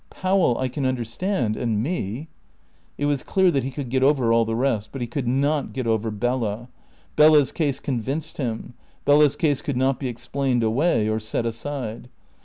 Powell I can understand and me." It was clear that he could get over all the rest. But he could not get over Bella. Bella's case convinced him. Bella's case could not be explained away or set aside.